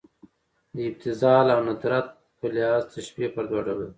د ابتذال او ندرت په لحاظ تشبیه پر دوه ډوله ده.